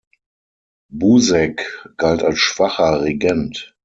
Buseck galt als schwacher Regent.